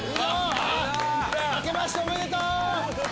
明けましておめでとう！